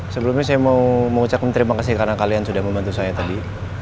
sebelumnya saya mau mengucapkan terima kasih karena kalian sudah membantu saya tadi